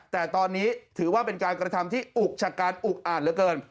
แต่ตอนนี้ถือว่าเป็นการกระทำที่อุกชะกันอุกอ่านเหลือเกิน